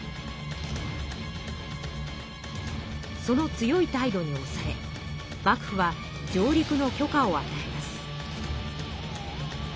その強い態度におされ幕府は上陸の許可をあたえます。